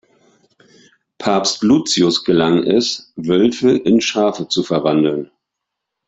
Papst Lucius gelang es, „Wölfe in Schafe zu verwandeln“.